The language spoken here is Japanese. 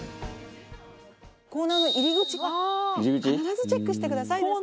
コーナーの入り口必ずチェックしてくださいですって。